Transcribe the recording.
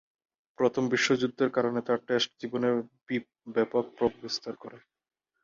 প্রথম বিশ্বযুদ্ধের কারণে তার টেস্ট জীবনে ব্যাপক প্রভাববিস্তার করে।